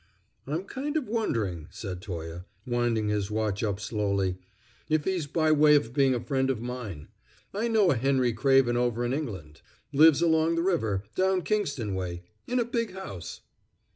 "I'm kind of wondering," said Toye, winding his watch up slowly, "if he's by way of being a friend of mine. I know a Henry Craven over in England. Lives along the river, down Kingston way, in a big house."